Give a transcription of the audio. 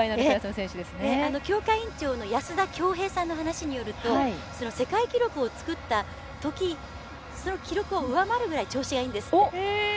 強化委員長の安田享平さんの話によると世界記録を作ったときその記録を上回るぐらい調子がいいんですって。